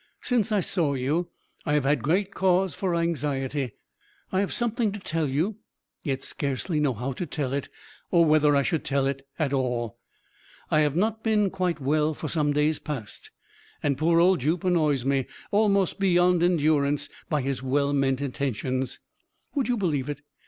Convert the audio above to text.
"Since I saw you I have had great cause for anxiety. I have something to tell you, yet scarcely know how to tell it, or whether I should tell it at all. "I have not been quite well for some days past, and poor old Jup annoys me, almost beyond endurance, by his well meant attentions. Would you believe it?